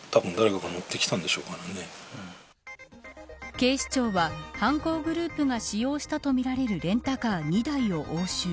警視庁は犯行グループが使用したとみられるレンタカー２台を押収。